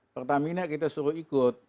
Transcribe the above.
pertamina kita suruh ikut